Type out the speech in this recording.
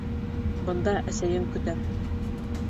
Бында әсәйең көтә.